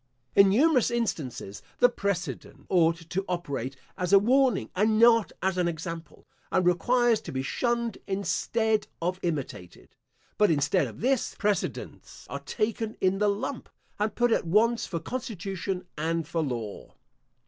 In numerous instances, the precedent ought to operate as a warning, and not as an example, and requires to be shunned instead of imitated; but instead of this, precedents are taken in the lump, and put at once for constitution and for law.